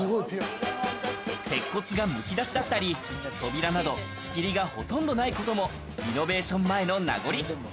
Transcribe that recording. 鉄骨がむき出しだったり、扉など仕切りがほとんどないこともリノベーション前の名残り。